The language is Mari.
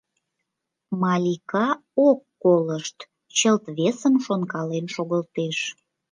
Малика ок колышт, чылт весым шонкален шогылтеш.